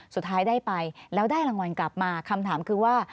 สุดท้ายได้ไปแล้วได้รางวัลกลับมาคำถามคือว่า